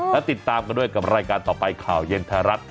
และติดตามกันด้วยกับรายการต่อไปข่าวเย็นไทยรัฐ